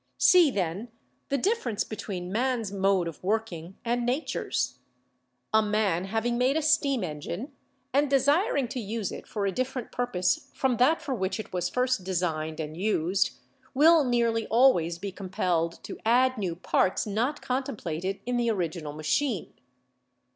See, then, the difference between man's mode of work 144 BIOLOGY ing and Nature's. A man having made a steam engine, and desiring to use it for a different purpose from that for which it was first designed and used, will nearly always be compelled to add new parts not contemplated in the original machine.